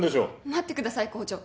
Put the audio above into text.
待ってください校長。